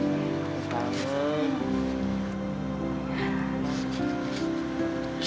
bagus sekali pendek